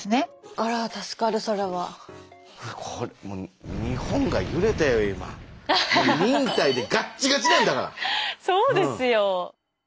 あらそうですよ。